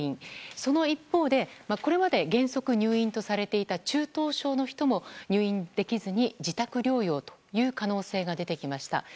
その一方でこれまで原則入院とされていた中等症の人も入院できずに自宅療養という可能性が出てきました。